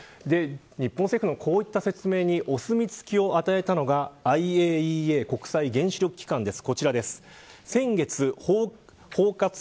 日本政府のこういった説明にお墨付きを与えたのがＩＡＥＡ＝国際原子力機関です。